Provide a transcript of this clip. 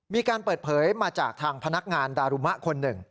มีการเปิดเผยมาจากทางพนักงานดารุมะคนหนึ่ง